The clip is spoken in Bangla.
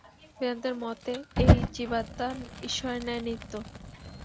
বেদান্তের মতে এই জীবাত্মা ঈশ্বরের ন্যায় নিত্য।